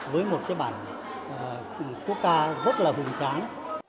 với một cái bản quốc ca rất là hùng tráng